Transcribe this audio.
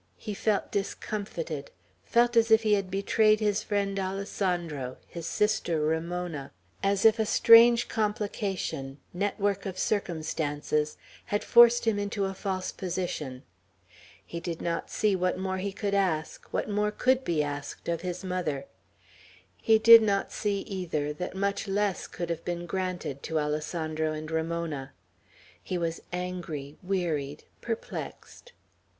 He felt discomfited; felt as if he had betrayed his friend Alessandro, his sister Ramona; as if a strange complication, network of circumstances, had forced him into a false position; he did not see what more he could ask, what more could be asked, of his mother; he did not see, either, that much less could have been granted to Alessandro and Ramona; he was angry, wearied, perplexed.